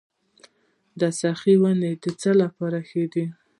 د سنځلو ونې د څه لپاره ښې دي؟